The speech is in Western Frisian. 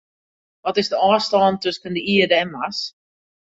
Wat is de ôfstân tusken de Ierde en Mars?